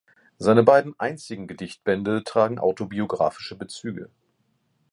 Seine beiden einzigen Gedichtbände tragen autobiographische Bezüge.